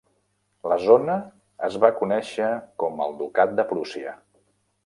La zona es va conèixer com el Ducat de Prússia.